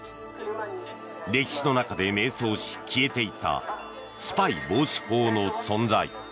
歴史の中で迷走し、消えていったスパイ防止法の存在。